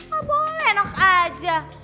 gak boleh enak aja